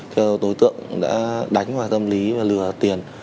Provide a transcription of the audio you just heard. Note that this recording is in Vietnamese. thì đối tượng đã đánh vào tâm lý và lừa tiền